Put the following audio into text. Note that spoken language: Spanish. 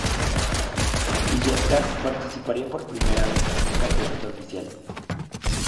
Illescas participaría por primera vez en un campeonato oficial.